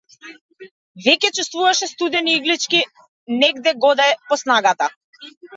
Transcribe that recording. Веќе чувствуваше студени иглички негде-годе по снагата.